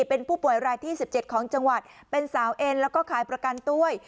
เป็นผู้ป่วยรายที่๑๗ของจังหวัดเป็นสาวเอ็นแล้วก็ขายประกันด้วย